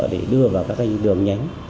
để đưa vào các đường nhánh